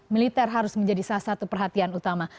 militer harus menjadi salah satu perhatian utama